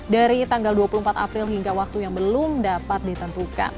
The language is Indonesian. dari tanggal dua puluh empat april hingga waktu yang belum dapat ditentukan